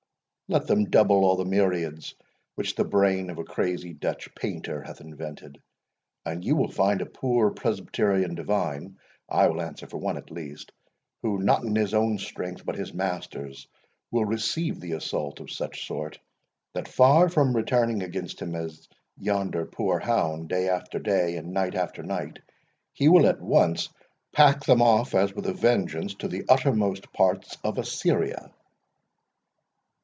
let them double all the myriads which the brain of a crazy Dutch painter hath invented, and you will find a poor Presbyterian divine—I will answer for one at least,—who, not in his own strength, but his Master's, will receive the assault in such sort, that far from returning against him as against yonder poor hound, day after day, and night after night, he will at once pack them off as with a vengeance to the uttermost parts of Assyria!"